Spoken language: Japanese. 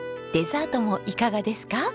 デザートもいかがですか？